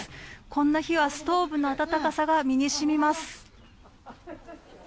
こんな日はストーブの暖かさが身にしみます。